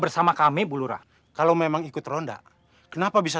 sudah luar biasa